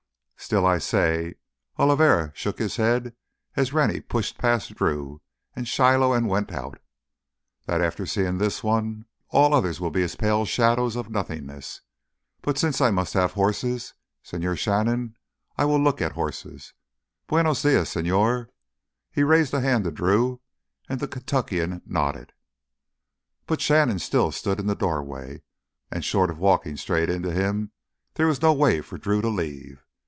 "Still I say"—Oliveri shook his head as Rennie pushed past Drew and Shiloh and went out—"that after seeing this one, all others will be as pale shadows of nothingness. But since I must have horses, Señor Shannon, I will look at horses. Buenos dias, señor." He raised a hand to Drew and the Kentuckian nodded. But Shannon still stood in the doorway, and short of walking straight into him there was no way for Drew to leave.